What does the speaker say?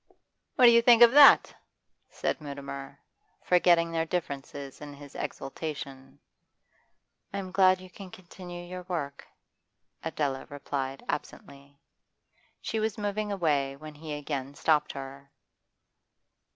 'What do you think of that?' said Mutimer, forgetting their differences in his exultation. 'I am glad you can continue your work,' Adela replied absently. She was moving away when he again stopped her.